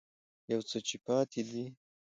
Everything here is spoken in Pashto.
يو څه چې پاتې دي